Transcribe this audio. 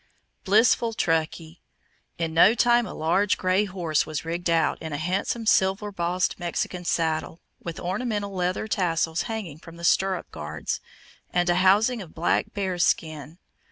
Blissful Truckee! In no time a large grey horse was "rigged out" in a handsome silver bossed Mexican saddle, with ornamental leather tassels hanging from the stirrup guards, and a housing of black bear's skin.